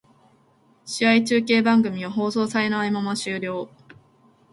試合中継番組は放送されないまま終了